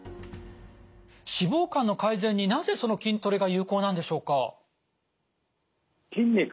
脂肪肝の改善になぜその筋トレが有効なんでしょうか？